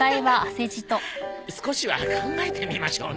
少しは考えてみましょうね。